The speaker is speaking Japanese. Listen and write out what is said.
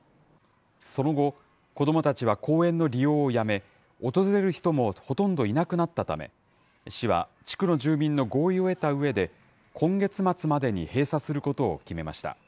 その後、子どもたちは公園の利用をやめ、訪れる人もほとんどいなくなったため、市は地区の住民の合意を得たうえで、今月末までに閉鎖することを決めました。